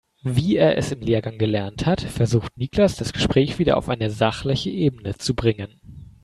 Wie er es im Lehrgang gelernt hat, versucht Niklas das Gespräch wieder auf eine sachliche Ebene zu bringen.